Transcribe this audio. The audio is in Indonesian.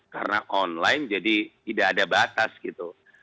karena online jadi tidak ada batas gitu